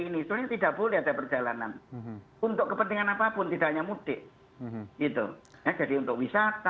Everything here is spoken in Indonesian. ini tidak boleh ada perjalanan untuk kepentingan apapun tidak hanya mudik gitu ya jadi untuk wisata